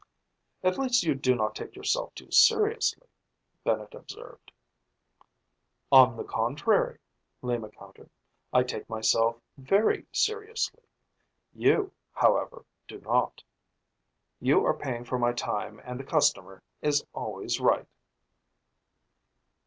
"At least you do not take yourself too seriously," Bennett observed. "On the contrary." Lima countered, "I take myself very seriously. You, however, do not. You are paying for my time and the customer is always right."